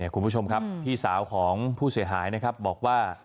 คุณผู้ชมครับพี่สาวของผู้เสียหายนะครับบอกว่า